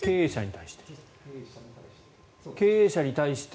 経営者に対して？